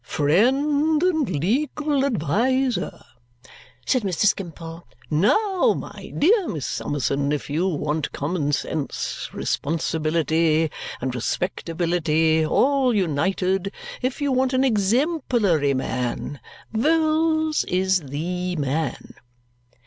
"Friend and legal adviser," said Mr. Skimpole. "Now, my dear Miss Summerson, if you want common sense, responsibility, and respectability, all united if you want an exemplary man Vholes is THE man."